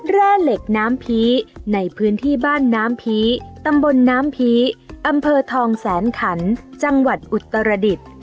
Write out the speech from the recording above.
แร่เหล็กน้ำผีในพื้นที่บ้านน้ำผีตำบลน้ำผีอำเภอทองแสนขันจังหวัดอุตรดิษฐ์